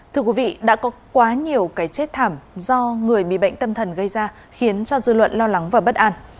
thưa quý vị đã có quá nhiều cái chết thảm do người bị bệnh tâm thần gây ra khiến cho dư luận lo lắng và bất an